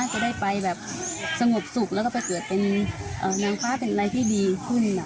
จะได้ไปแบบสงบสุขแล้วก็ไปเกิดเป็นนางฟ้าเป็นอะไรที่ดีขึ้น